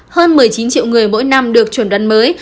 hơn một mươi chín triệu người mỗi năm được chuẩn đoán mới